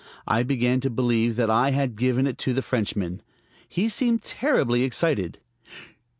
I began to believe that I had given it to the Frenchman. He seemed terribly excited.